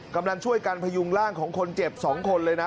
กำลังช่วยกันพยุงร่างของคนเจ็บ๒คนเลยนะ